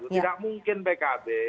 tidak mungkin pkb